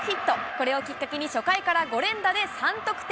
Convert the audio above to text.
これをきっかけに、初回から５連打で３得点。